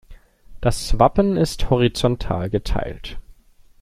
Das Wappen ist horizontal geteilt.